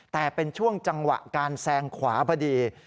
แต่เป็นช่วงจังหวะการแซงขวาพอดี